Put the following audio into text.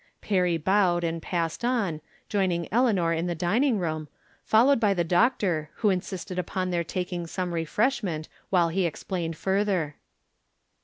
Perry bowed and passed on, joining Eleanor in the dining room, followed by the doctor, who insisted upon their taking some refreshment, while he explained further.